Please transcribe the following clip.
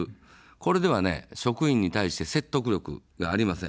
これでは職員に対して説得力がありません。